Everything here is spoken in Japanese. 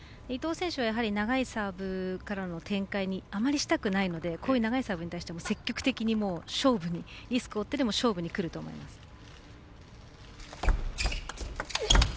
伊藤選手は長いサーブからの展開にあまりしたくないので長いサーブに対しても積極的にリスクを負ってでも勝負にくると思います。